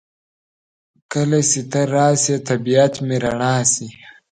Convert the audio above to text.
کله چې ته راشې طبیعت مې رڼا شي.